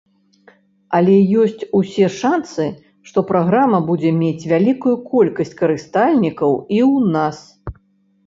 Але ёсць усе шанцы, што праграма будзе мець вялікую колькасць карыстальнікаў і ў нас.